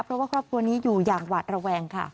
เพราะว่าครอบครัวนี้อยู่อย่างหวาดระแวงค่ะ